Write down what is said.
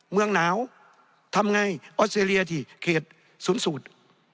เมืองหนาวทำไงออสเตรเลียที่เขตศูนย์สูตร